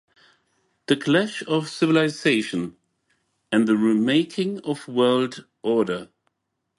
The Clash of Civilizations and the Remaking of World Order.